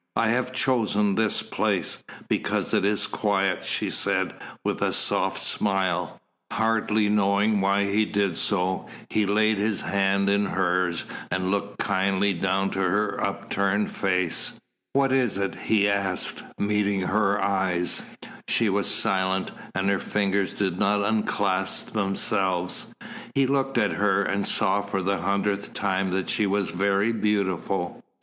"I have chosen this place, because it is quiet," she said, with a soft smile. Hardly knowing why he did so, he laid his hands in hers and looked kindly down to her upturned face. "What is it?" he asked, meeting her eyes. She was silent, and her fingers did not unclasp themselves. He looked at her, and saw for the hundredth time that she was very beautiful.